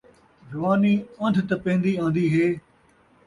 جوانی ان٘دھ تپین٘دی آن٘دی ہے